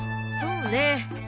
そうねえ